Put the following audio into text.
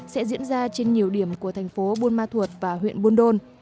sẽ diễn ra trên nhiều điểm của thành phố buôn ma thuột và huyện buôn đôn